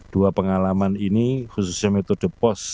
dua pengalaman ini khususnya metode pos